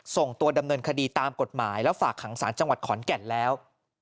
ส่งตัวดำเนินคดีตามกฎหมายแล้วฝากขังสารจังหวัดขอนแก่นแล้ว